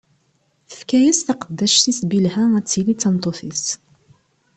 Tefka-as taqeddact-is Bilha, ad tili d tameṭṭut-is.